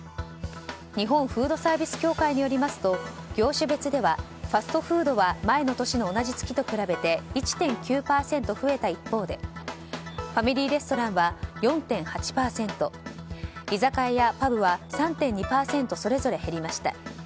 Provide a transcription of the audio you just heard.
日本フードサービス協会によりますと業種別ではファストフードは前の年の同じ月と比べて１．９％増えた一方でファミリーレストランは４．８％居酒屋やパブは３．２％それぞれ減りました。